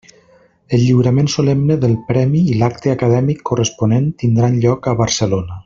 El lliurament solemne del Premi i l'acte acadèmic corresponent tindran lloc a Barcelona.